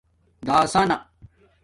دَاسݳنہ